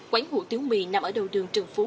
quán hủ tiếu mì nằm ở đầu đường trần phú